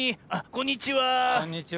こんにちは。